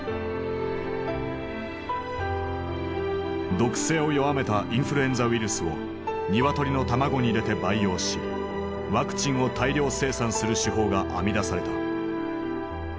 毒性を弱めたインフルエンザウイルスを鶏の卵に入れて培養しワクチンを大量生産する手法が編み出された。